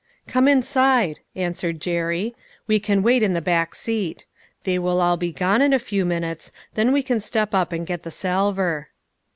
" Come inside," answered Jerry ;" we can wait in the back seat. They will all be gone in a few minutes, then we can step up and get the salver."